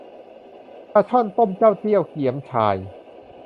ปลาช่อนต้มเต้าเจี้ยวเกี่ยมฉ่าย